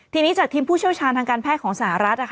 ทีนี้จากทีมผู้เชี่ยวชาญทางการแพทย์ของสหรัฐ